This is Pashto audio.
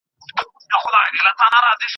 ما يې لاره كړه بدله و بازار ته